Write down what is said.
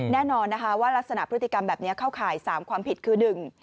แน่นอนนะคะว่ารักษณะพฤติกรรมแบบนี้เข้าข่ายสามความผิดคือหนึ่ง